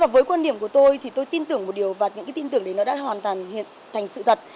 với quan điểm của tôi thì tôi tin tưởng một điều và những tin tưởng đấy đã hoàn thành sự thật